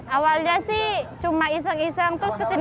awalnya sih cuma iseng iseng terus kesini